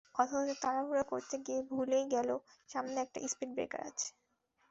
অথচ তাড়াহুড়া করতে গিয়ে ভুলেই গেল সামনে একটা স্পিড ব্রেকার আছে।